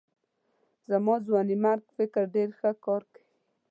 زما ځوانمېرګ فکر ډېر ښه کار کوي.